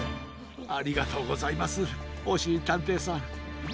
ありがとうございますおしりたんていさん。